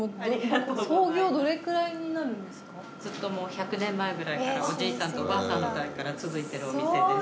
１００年前ぐらいからおじいさんとおばあさんの代から続いてるお店です。